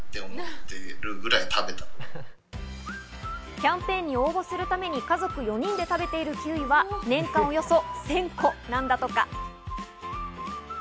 キャンペーンに応募するために家族４人で食べているキウイは年間およそ１０００個なんだとか。